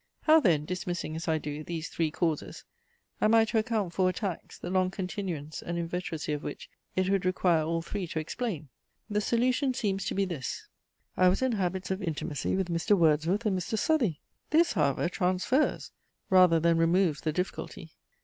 How then, dismissing, as I do, these three causes, am I to account for attacks, the long continuance and inveteracy of which it would require all three to explain? The solution seems to be this, I was in habits of intimacy with Mr. Wordsworth and Mr. Southey! This, however, transfers, rather than removes the difficulty.